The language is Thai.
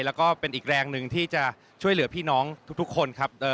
แล้วก็เป็นอีกแรงหนึ่งที่จะช่วยเหลือพี่น้องทุกคนครับ